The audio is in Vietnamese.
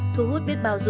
thu hút biết bào du lịch